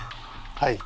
はい。